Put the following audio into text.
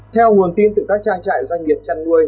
theo nguồn tin từ các trang trại doanh nghiệp chăn nuôi